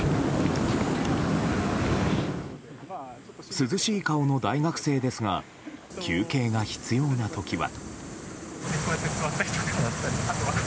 涼しい顔の大学生ですが休憩が必要な時は。